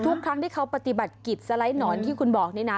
ทุกครั้งที่เขาปฏิบัติกิจสไลด์หนอนที่คุณบอกนี่นะ